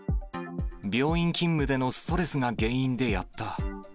病院勤務でのストレスが原因でやった。